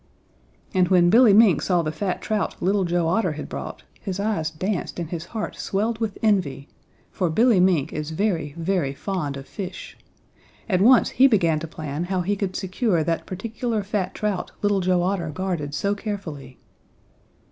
And when Billy Mink saw the fat trout Little Joe Otter had brought, his eyes danced and his heart swelled with envy, for Billy Mink is very, very fond of fish. At once he began to plan how he could secure that particular fat trout Little Joe Otter guarded so carefully.